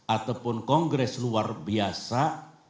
ataupun kongres luar biasa